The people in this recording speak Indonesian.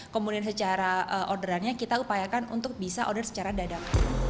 kemudian secara orderannya kita upayakan untuk bisa order secara dadap